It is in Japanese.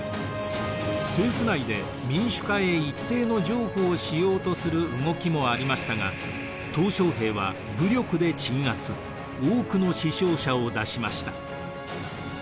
政府内で民主化へ一定の譲歩をしようとする動きもありましたが小平は武力で鎮圧多くの死傷者を出しました。